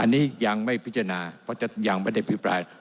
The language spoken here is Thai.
อันนี้ยังไม่พิจารณาเพราะจะยังไม่ได้พิปราย